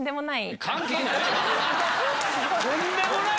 とんでもない⁉